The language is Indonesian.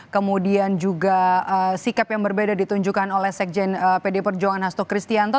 kemudian juga sikap yang berbeda ditunjukkan oleh sekjen pd perjuangan hasto kristianto